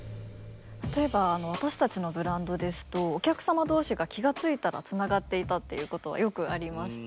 例えば私たちのブランドですとお客様同士が気が付いたらつながっていたっていうことはよくありまして。